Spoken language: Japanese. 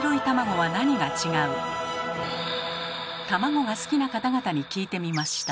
卵が好きな方々に聞いてみました。